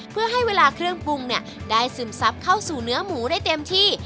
เพื่อให้เวลาเครื่องปรุงได้ซึมซับเข้าสู่เนื้อหมูได้เต็มที่